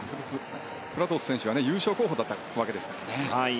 フラトゥス選手は優勝候補だったわけですからね。